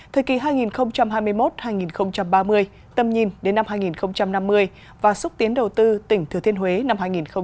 thời kỳ hai nghìn hai mươi một hai nghìn ba mươi tầm nhìn đến năm hai nghìn năm mươi và xúc tiến đầu tư tỉnh thừa thiên huế năm hai nghìn bốn mươi